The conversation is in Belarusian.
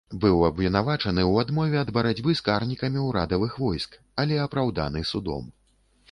Быў абвінавачаны ў адмове ад барацьбы з карнікамі ўрадавых войск, але апраўданы судом.